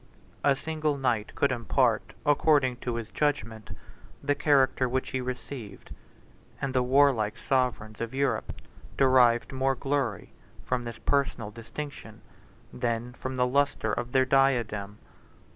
A single knight could impart, according to his judgment, the character which he received; and the warlike sovereigns of Europe derived more glory from this personal distinction than from the lustre of their diadem.